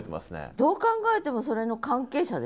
どう考えてもそれの関係者ですね。